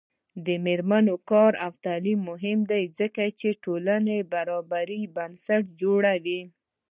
د میرمنو کار او تعلیم مهم دی ځکه چې ټولنې برابرۍ بنسټ جوړوي.